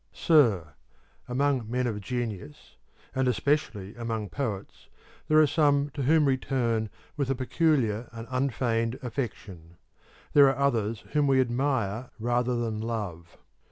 Sir, Among men of Genius, and especially among Poets, there are some to whom we turn with a peculiar and unfeigned affection; there are others whom we admire rather than love.